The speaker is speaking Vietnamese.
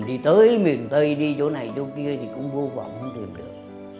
đi tới miền tây đi chỗ này chỗ kia thì cũng vô vọng không tìm được